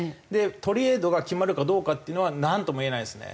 トレードが決まるかどうかっていうのはなんとも言えないですね。